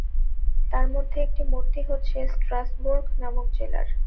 তার মধ্যে একটি মূর্তি হচ্ছে ষ্ট্রাসবুর্গ নামক জেলার।